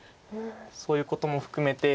そういうことも含めて。